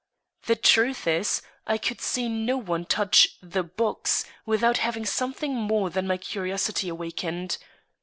The truth is, I could see no one touch the box without having something more than my curiosity awakened.